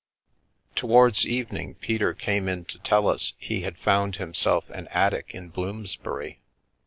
Towards evening Peter came in to tell us he had found himself an attic in Bloomsbury.